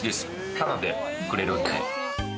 タダでくれるんで。